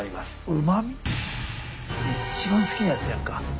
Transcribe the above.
一番好きなやつじゃんか。